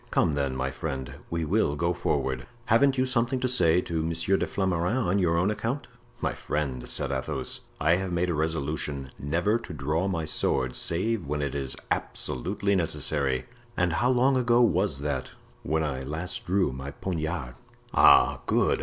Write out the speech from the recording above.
Come, then, my friend, we will go forward." "Haven't you something to say to Monsieur de Flamarens on your own account?" "My friend," said Athos, "I have made a resolution never to draw my sword save when it is absolutely necessary." "And how long ago was that?" "When I last drew my poniard." "Ah! Good!